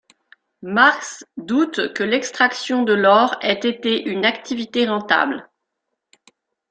Marx doute que l'extraction de l'or ait été une activité rentable.